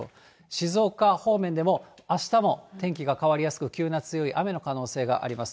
静岡方面でも、あしたも天気が変わりやすく、急な強い雨の可能性があります。